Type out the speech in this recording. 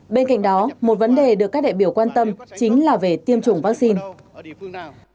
bên cạnh đó một vấn đề được các đại biểu quan tâm chính là về tiêm chủng vaccine